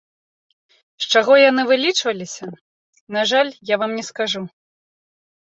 З чаго яны вылічваліся, на жаль, я вам не скажу.